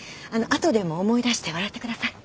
後でも思い出して笑ってください。